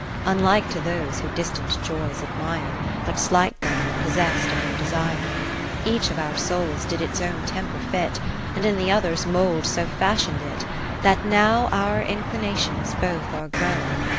10 Unlike to those who distant joys admire. But slight them when possest of their desire. Each of our souls did its own temper fit, And in the other's mould so fashion'd That now our inclinations both ate grown.